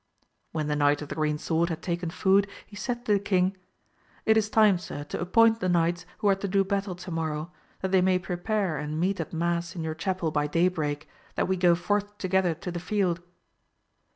When the Knight of the Green Sword had taken food he said to the king, it is time sir to appoint the knights who are to do battle to morrow, that they may prepare and meet at mass in your chapel by day break, that we go forth together to the field.